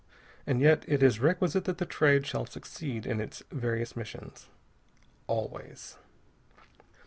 And yet it is requisite that the Trade shall succeed in its various missions. Always.